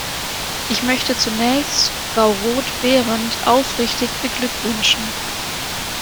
Ich möchte zunächst Frau Roth-Behrendt aufrichtig beglückwünschen.